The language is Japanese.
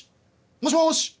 もしもし？